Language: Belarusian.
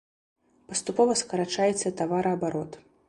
Паступова скарачаецца і тавараабарот.